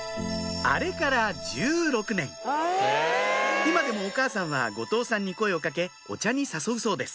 今でもお母さんは後藤さんに声を掛けお茶に誘うそうです